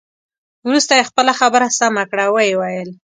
وروسته یې خپله خبره سمه کړه او ويې ویل.